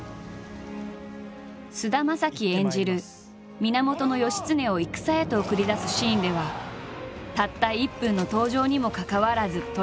菅田将暉演じる源義経を戦へと送り出すシーンではたった１分の登場にもかかわらずトレンド入り。